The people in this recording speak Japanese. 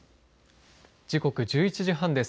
時刻１１時半です。